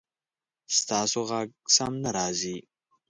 ستاسو غږ سم نه راځي